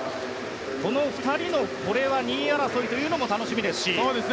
この２人の２位争いも楽しみですし。